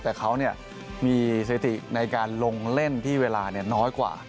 แต่เขามีสถิติในการลงเล่นที่เวลาน้อยกว่า